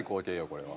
これは。